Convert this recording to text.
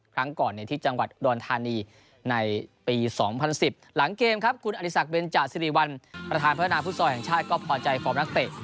ครั้งก่อนที่จังหวัดอุดรธานีในปี๒๐๑๐หลังเกมครับคุณอริสักเบนจาสิริวัลประธานพัฒนาฟุตซอลแห่งชาติก็พอใจฟอร์มนักเตะ